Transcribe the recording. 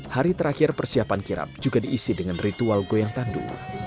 hari terakhir persiapan kirap juga diisi dengan ritual goyang tandu